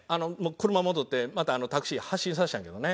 車戻ってまたタクシー発進させたんやけどね。